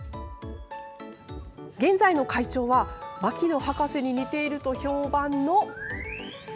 現在の会長は牧野博士に似ていると評判の。